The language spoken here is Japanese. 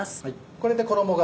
これで衣が。